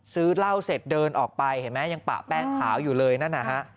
ซื้อเหล้าเสร็จเดินออกไปเห็นไหมยังปะแป้งขาวอยู่เลยนั่นนะฮะ